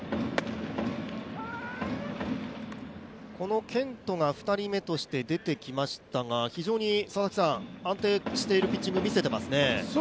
このケントが２人目として出てきましたが非常に安定しているピッチングを見せていますね。